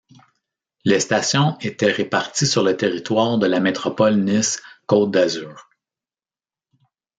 Les stations étaient réparties sur le territoire de la Métropole Nice Côte d'Azur.